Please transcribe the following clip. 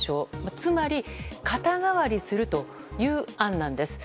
つまり肩代わりするという案です。